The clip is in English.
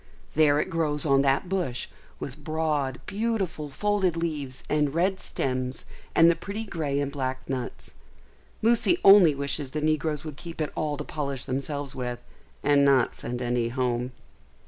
There it grows on that bush, with broad, beautiful, folded leaves and red stems and the pretty grey and black nuts. Lucy only wishes the negroes would keep it all to polish themselves with, and not send any home.